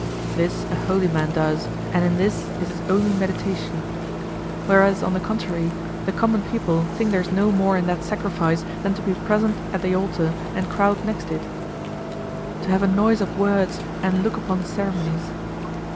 This a holy man does, and in this is his only meditation. Whereas on the contrary, the common people think there's no more in that sacrifice than to be present at the altar and crowd next it, to have a noise of words and look upon the ceremonies.